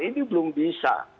ini belum bisa